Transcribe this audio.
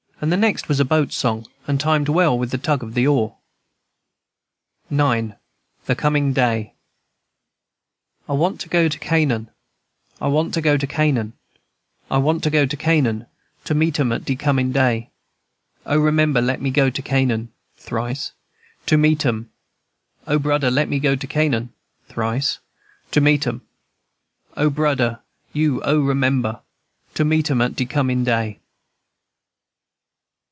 This next was a boat song, and timed well with the tug of the oar. IX. THE COMING DAY "I want to go to Canaan, I want to go to Canaan, I want to go to Canaan, To meet 'em at de comin' day. O, remember, let me go to Canaan, (Thrice.) To meet "em, &c. O brudder, let me go to Canaan, (Thrice.) To meet 'em, &c. My brudder, you oh! remember, (Thrice.) To meet 'em at de comin' day."